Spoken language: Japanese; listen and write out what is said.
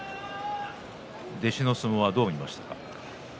弟子の相撲どう見ましたか？